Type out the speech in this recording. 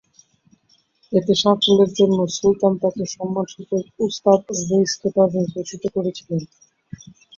এতে সাফল্যের জন্য সুলতান তাকে সম্মানসূচক উস্তাদ ও রেইস খেতাবে ভূষিত করেছিলেন।